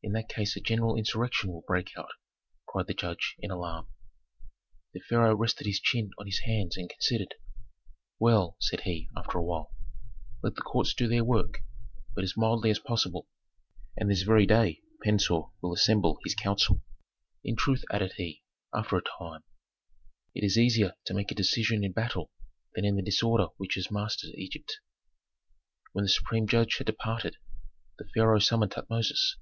"In that case a general insurrection will break out," cried the judge, in alarm. The pharaoh rested his chin on his hands and considered, "Well," said he, after a while, "let the courts do their work, but as mildly as possible. And this very day Pentuer will assemble his council." "In truth," added he, after a time, "it is easier to make a decision in battle than in the disorder which has mastered Egypt." When the supreme judge had departed, the pharaoh summoned Tutmosis.